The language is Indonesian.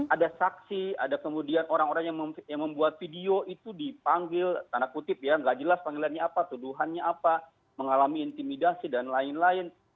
ada saksi ada kemudian orang orang yang membuat video itu dipanggil tanda kutip ya nggak jelas panggilannya apa tuduhannya apa mengalami intimidasi dan lain lain